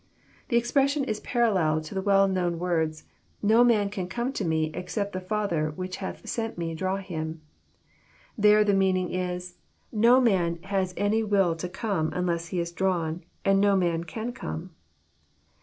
The expression is parallel to the well known words, " No man can come to Me, except the Father which hath sent Me draw him.'* There the meaning is, *' No man has any will to come unless he Is drawn, and so no man can come."